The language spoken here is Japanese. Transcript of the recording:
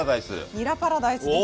にらパラダイスです。